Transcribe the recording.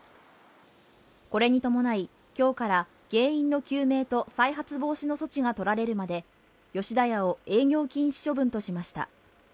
これに伴い、今日から原因の究明と再発防止の措置が執られるまで吉田屋を営業禁止処分としました。